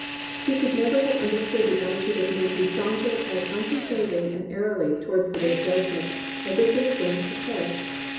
He could never have under stood the attitude of men who saunter as uncon cernedly and airily towards the day of judgment as if they were going to the play.